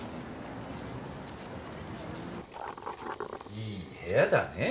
いい部屋だね